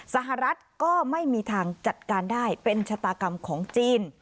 สหรัฐก็ไม่มีทางจัดการได้เป็นชะตากรรมของจีน